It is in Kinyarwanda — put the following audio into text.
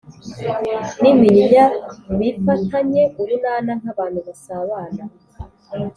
n’iminyinya bifatanye urunana nk’abantu basabana